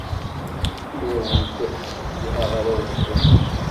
Ur awent-ttjeyyiḥeɣ arraw-nwent.